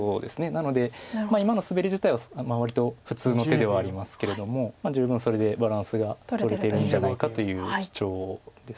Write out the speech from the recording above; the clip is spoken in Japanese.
なので今のスベリ自体は割と普通の手ではありますけれども十分それでバランスがとれているんじゃないかという主張です。